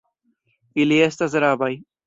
Ili estas rabaj.